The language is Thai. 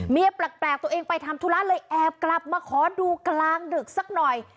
แปลกตัวเองไปทำธุระเลยแอบกลับมาขอดูกลางดึกสักหน่อย